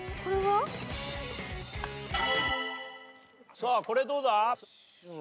さあこれどうだ？